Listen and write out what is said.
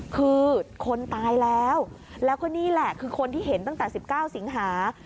คือคนตายแล้วแล้วก็นี่แหละคือคนที่เห็นตั้งแต่๑๙สิงหา